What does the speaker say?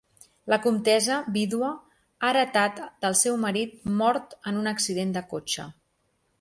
La Comtessa, vídua, ha heretat del seu marit mort en un accident de cotxe.